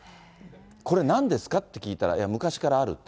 これ、なんですか？って聞いたら、昔からあるって。